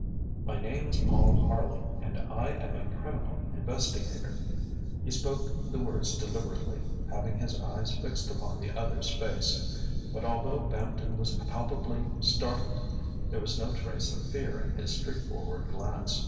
ŌĆØ ŌĆ£My name is Paul Harley, and I am a criminal investigator. ŌĆØ He spoke the words deliberately, having his eyes fixed upon the other's face; but although Bampton was palpably startled there was no trace of fear in his straightforward glance.